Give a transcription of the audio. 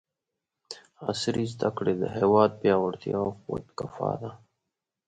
عصري زده کړې د هېواد پیاوړتیا او خودکفاء ده!